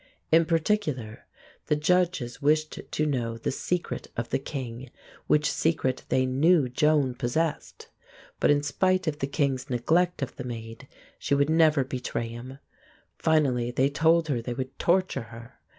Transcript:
In particular the judges wished to know the secret of the king, which secret they knew Joan possessed. But in spite of the king's neglect of the Maid, she would never betray him. Finally they told her they would torture her.